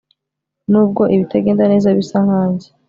nubwo ibitagenda neza bisa nkanjye